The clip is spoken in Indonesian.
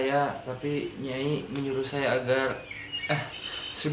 jika kamu merasa sedikit niru